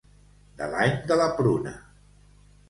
De l'any de la pruna.